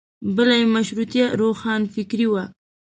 بله یې مشروطیه روښانفکري وه.